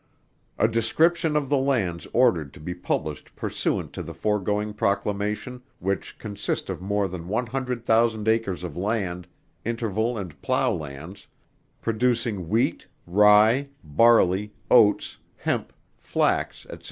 A description of the lands ordered to be published pursuant to the foregoing proclamation, which consist of more than one hundred thousand acres of land, interval and plow lands, producing wheat, rye, barley, oats, hemp, flax, &c.